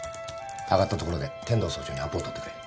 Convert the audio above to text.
上がったところで天堂総長にアポを取ってくれ。